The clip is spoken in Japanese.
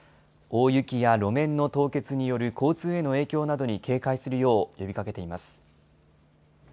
大雪や路面の凍結による交通への影響などに警戒するよう呼びかけています。